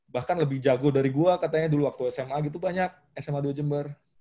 bahkan lebih jago dari gue katanya dulu waktu sma gitu banyak sma dua jember